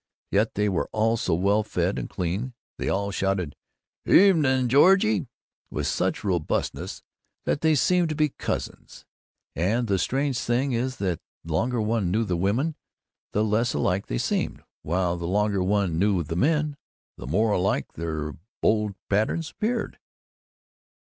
Yet they were all so well fed and clean, they all shouted "'Evenin', Georgie!" with such robustness, that they seemed to be cousins, and the strange thing is that the longer one knew the women, the less alike they seemed; while the longer one knew the men, the more alike their bold patterns appeared.